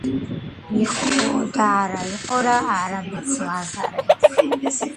იყო და არა იყო არაბეთს ლაზარე